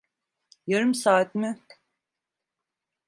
Yarım saat mi?